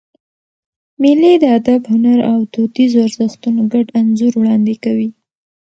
مېلې د ادب، هنر او دودیزو ارزښتونو ګډ انځور وړاندي کوي.